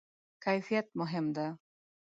کیفیت مهم ده؟